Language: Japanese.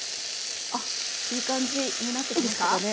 あっいい感じになってきましたね。